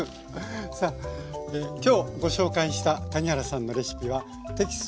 さあ今日ご紹介した谷原さんのレシピはテキスト